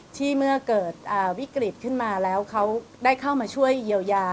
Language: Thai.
เมื่อเกิดวิกฤตขึ้นมาแล้วเขาได้เข้ามาช่วยเยียวยา